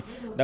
đã góp phần